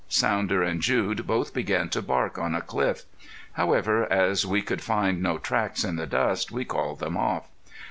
Sounder and Jude both began to bark on a cliff; however, as we could find no tracks in the dust we called them off.